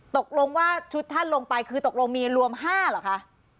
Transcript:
ตกลงว่าชุดท่านลงไปคือตกลงมีรวม๕เหรอคะ